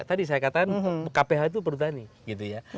tadi saya katakan kph itu perhutani gitu ya